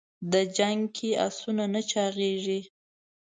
د جنګ کې اسونه نه چاغېږي.